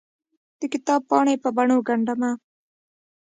دکتاب پاڼې په بڼو ګنډ مه